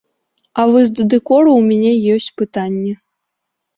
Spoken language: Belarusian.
А вось да дэкору у мяне ёсць пытанні.